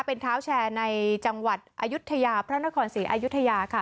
เป็นเท้าแชร์ในจังหวัดอายุทยาพระนครศรีอายุทยาค่ะ